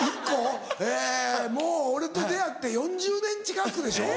もう俺と出会って４０年近くでしょ？